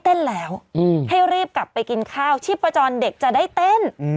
เต้นแล้วให้รีบกลับไปกินข้าวชีพจรเด็กจะได้เต้น